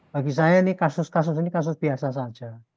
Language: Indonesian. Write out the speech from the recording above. bagi saya ini kasus kasus ini kasus biasa saja